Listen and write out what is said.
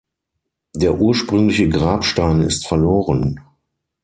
Der ursprüngliche Grabstein ist verloren.